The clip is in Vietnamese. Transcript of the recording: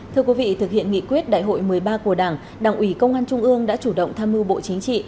thưa quý vị thực hiện nghị quyết đại hội một mươi ba của đảng đảng ủy công an trung ương đã chủ động tham mưu bộ chính trị